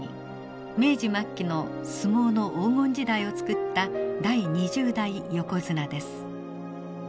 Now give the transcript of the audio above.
明治末期の相撲の黄金時代を作った第２０代横綱です。